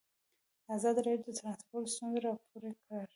ازادي راډیو د ترانسپورټ ستونزې راپور کړي.